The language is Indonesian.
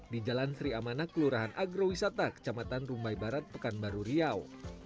di jalan sri amanah kelurahan agrowisata kecamatan rumbai barat pekanbaru riau